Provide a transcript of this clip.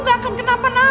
gak akan kenapa napa